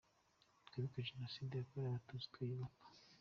Twibuke Genocide yakorewe Abatutsi, Twiyubaka.